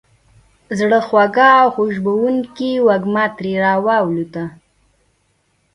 زړه خوږه او خوشبوونکې وږمه ترې را والوته.